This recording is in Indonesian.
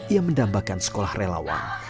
ia mendambakan sekolah relawan